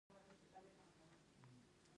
د غرونو اوبه میوې خوندورې کوي.